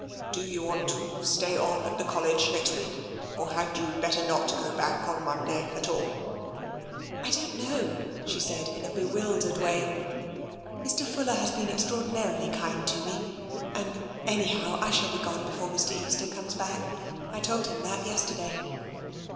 " Do you want to stay on at the College next week, or had you better not go back on Monday at all? " I don't know,'* she said, in a bewildered way. " Mr. Fuller has been extraordinarily kind to me. And, anyhow, I shall be gone before Mr. Easter comes back. I told him that yesterday."